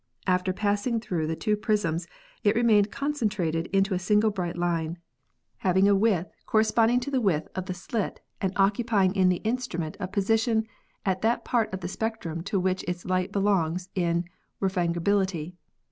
After pass ing through the two prisms it remained concentrated into a single bright line, having a width corresponding to the 298 ASTRONOMY width of the slit and occupying in the instrument a position at that part of the spectrum "to which its light belongs in refrangibility.